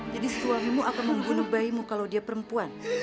jadi suamimu akan membunuh bayimu kalau dia perempuan